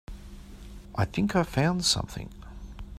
I think I found something.